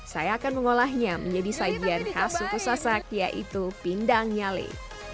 saya akan mengolahnya menjadi sajian khas suku sasak yaitu pindang nyali